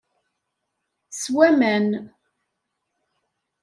Ssew aman.